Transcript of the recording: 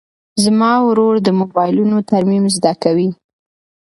زما ورور د موبایلونو ترمیم زده کوي.